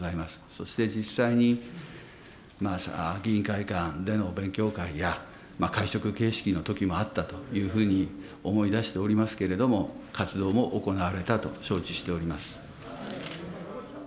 そして実際に、議員会館での勉強会や、会食形式のときもあったというふうに思い出しておりますけれども、活動も行われたと承知しております。